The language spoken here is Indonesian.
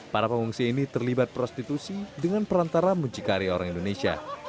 para pengungsi ini terlibat prostitusi dengan perantara muncikari orang indonesia